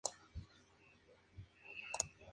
Fue torturado y asesinado por partisanos yugoslavos.